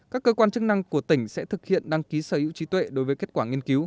các cơ quan chức năng của tỉnh sẽ thực hiện đăng ký sở hữu trí tuệ đối với kết quả nghiên cứu